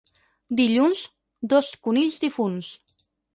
Dilluns, dos conills difunts.